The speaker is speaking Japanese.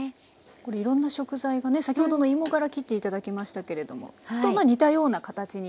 これいろんな食材がね先ほどの芋がら切って頂きましたけれども似たような形にサイズがそろってますね。